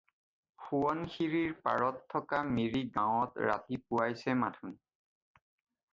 শোৱণশিৰীৰ পাৰত থকা মিৰিগাঁৱত ৰাতি পুৱাইছে মাথোন।